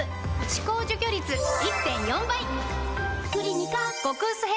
歯垢除去率 １．４ 倍！